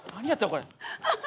これ。